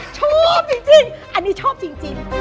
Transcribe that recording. ชอบจริงอันนี้ชอบจริง